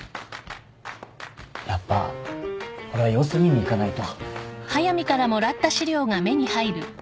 やっぱこれは様子見に行かないと。